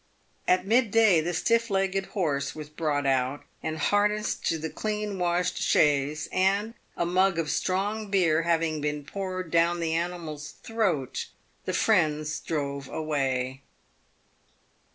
At mid day the stiff legged horse was brought out and harnessed to the clean washed chaise, and, a mug of strong beer having been poured down the animal's throat, the friends drove away.